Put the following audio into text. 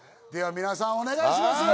皆さんお願いします。